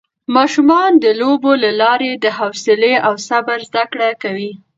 ماشومان د لوبو له لارې د حوصله او صبر زده کړه کوي